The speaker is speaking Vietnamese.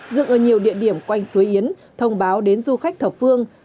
dựng ở nhiều địa điểm quanh suối yến thông báo đến du khách thập phương